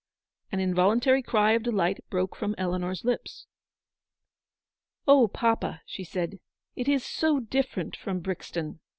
An involuntary cry of delight broke from Eleanor's lips. " Oh, papa," she said, " it is so different from Brixton.